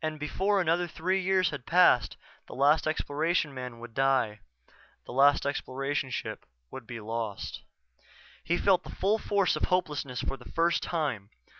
And before another three years had passed the last Exploration man would die, the last Exploration ship would be lost. He felt the full force of hopelessness for the first time.